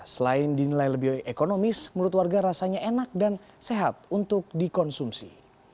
selain dinilai lebih ekonomis menurut warga rasanya enak dan sehat untuk dikonsumsi